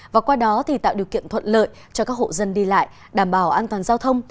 và qua đó tạo điều kiện thuận lợi cho các hộ dân đi lại đảm bảo an toàn giao thông